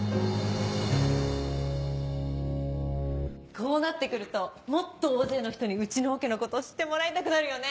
こうなってくるともっと大勢の人にうちのオケのこと知ってもらいたくなるよね。